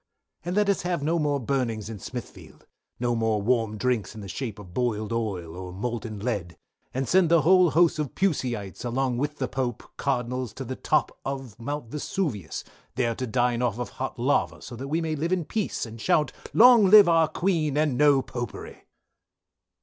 _" "And let us have no more Burnings in smithfield, no more warm drinks in the shape of boiled oil, or, molten lead, and send the whole host of Pusyites along with the Pope, Cardinals to the top of mount Vesuvius, there to dine off of hot lava, so that we may live in peace & shout long live our Queen, and No Popery!"